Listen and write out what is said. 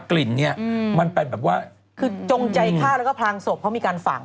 กลิ่นเนี่ยมันไปแบบว่าคือจงใจฆ่าแล้วก็พลางศพเพราะมีการฝัง